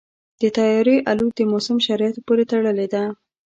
د طیارې الوت د موسم شرایطو پورې تړلې ده.